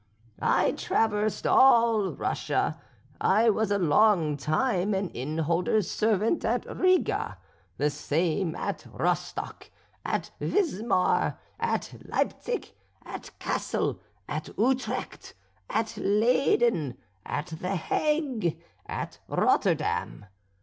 I traversed all Russia; I was a long time an inn holder's servant at Riga, the same at Rostock, at Vismar, at Leipzig, at Cassel, at Utrecht, at Leyden, at the Hague, at Rotterdam.